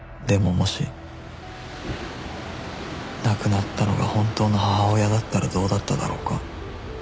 もし亡くなったのが本当の母親だったらどうだっただろうか？